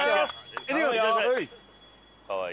かわいいね。